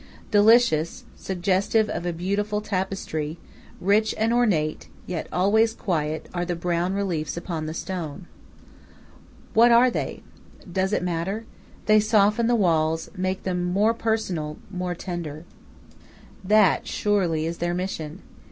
Delicious, suggestive of a beautiful tapestry, rich and ornate, yet always quiet, are the brown reliefs upon the stone. What are they? Does it matter? They soften the walls, make them more personal, more tender. That surely is their mission.